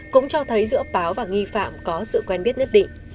cũng cho thấy giữa báo và nghi phạm có sự quen biết nhất định